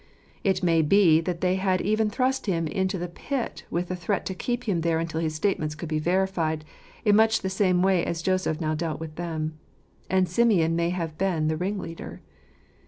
It may be that they had even thrust him into the pit with the threat to keep him there until his statements could be verified* in much the same way as Joseph now dealt with them ; and Simeon may have been the ringleader.